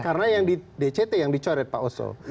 karena yang di dct yang dicoret pak oso